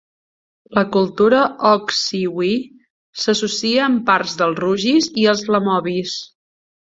La cultura oksywie s'associa amb parts dels rugis i els lemovis.